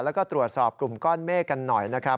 แล้วก็ตรวจสอบกลุ่มก้อนเมฆกันหน่อยนะครับ